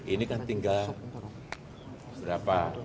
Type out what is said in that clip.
ini kan tinggal berapa